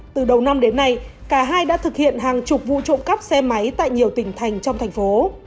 từ đầu năm đến nay cả hai đã thực hiện hàng chục vụ trộm cắp xe máy tại nhiều tỉnh thành trong thành phố